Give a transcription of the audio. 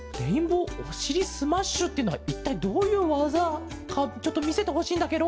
スマッシュっていうのはいったいどういうわざかちょっとみせてほしいんだケロ。